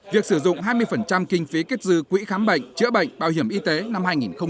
việc sử dụng hai mươi kinh phí kết dư quỹ khám bệnh chữa bệnh bảo hiểm y tế năm hai nghìn một mươi năm